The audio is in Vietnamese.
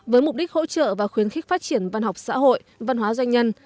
với mục đích hỗ trợ và khuyến khích phát triển văn học xã hội văn hóa doanh nhân